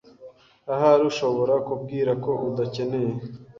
Ahari ushobora kubwira ko udakeneye.